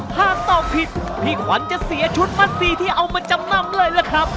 หากตอบผิดพี่ขวัญจะเสียชุดมัดซีที่เอามาจำนำเลยล่ะครับ